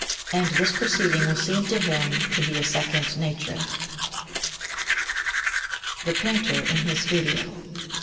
And this proceeding will seem to him to be a second nature. [Sidenote: The Painter in his Studio] 46.